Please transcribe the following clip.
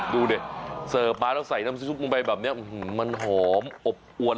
ดูดิเสิร์ฟมาแล้วใส่น้ำซุปลงไปแบบนี้มันหอมอบอวน